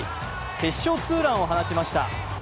決勝ツーランを放ちました。